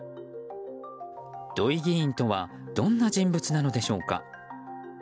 土井議員とはどんな人物なのでしょうか。